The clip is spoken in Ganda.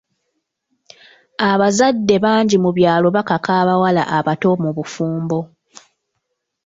Abazadde bangi mu byalo bakaka abawala abato mu bufumbo.